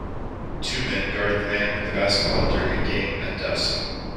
Two men guard the man with the basketball during a game at dusk.